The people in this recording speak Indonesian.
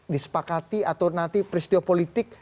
disepakati atau nanti peristiwa politik